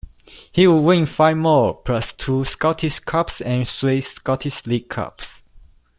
He would win five more, plus two Scottish Cups and three Scottish League Cups.